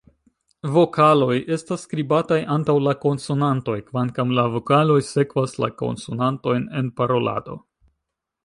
Vokaloj estas skribataj antaŭ la konsonantoj, kvankam la vokaloj sekvas la konsonantojn en parolado.